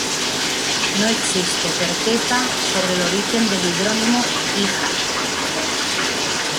No existe certeza sobre el origen del hidrónimo "híjar".